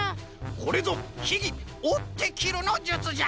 これぞひぎ「おってきるのじゅつ」じゃ！